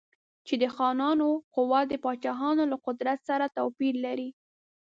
چې د خانانو قوت د پاچاهانو له قدرت سره توپیر لري.